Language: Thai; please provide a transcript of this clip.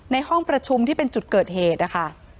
ในห้องประชุมที่เป็นจุดเกิดเหตุนะคะ